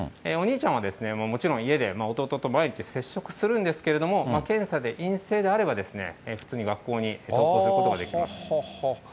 お兄ちゃんはもちろん家で弟と毎日接触するんですけれども、検査で陰性であれば、普通に学校に登校することができます。